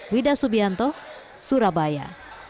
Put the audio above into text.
widah subianto surabaya